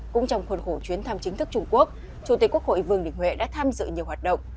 cũng trong khuôn khổ chuyến thăm chính thức trung quốc chủ tịch quốc hội vương đình huệ đã tham dự nhiều hoạt động